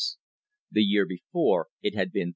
The year before it had been $4.